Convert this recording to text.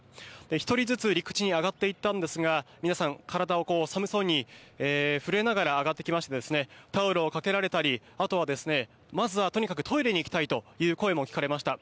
１人ずつ陸地に上がっていったんですが皆さん、体を寒そうに震えながら上がってきましてタオルをかけられたりあとは、まずはとにかくトイレに行きたいという声も聞かれました。